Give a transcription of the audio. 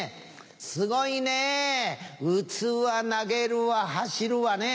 すごいねぇ打つわ投げるわ走るわねぇ。